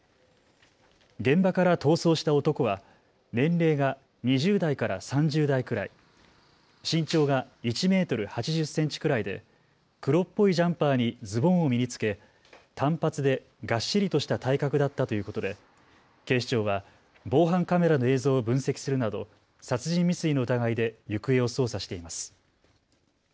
現場から逃走した男は年齢が２０代から３０代くらい、身長が１メートル８０センチくらいで黒っぽいジャンパーにズボンを身に着け短髪でがっしりとした体格だったということで警視庁は防犯カメラの映像を分析するなど殺人未遂の疑いで行方を捜査しています。